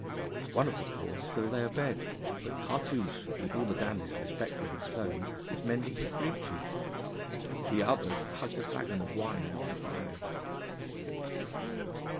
One of the four still lay abed; but Cartouche, with all the dandy's respect for his clothes, was mending his breeches. The others hugged a flagon of wine over the fire.